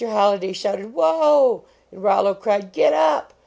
Holliday shouted, "Whoa!" and Rollo cried, "Get up!"